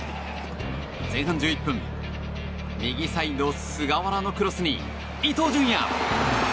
前半１１分右サイド菅原のクロスに伊東純也！